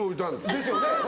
ですよね。